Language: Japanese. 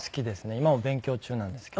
今も勉強中なんですけど。